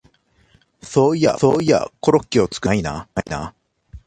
そういやコロッケを作ったことないな